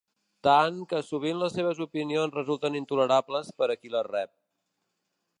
Tant, que sovint les seves opinions resulten intolerables per a qui les rep.